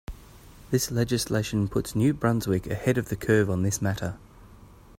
This legislation puts New Brunswick ahead of the curve on this matter.